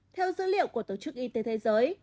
theo dữ liệu của tổ chức y tế thế giới